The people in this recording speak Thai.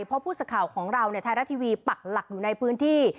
เพราะผู้สังเขาของเราเนี่ยทายรักษณ์ทีวีปักหลักอยู่ในพื้นที่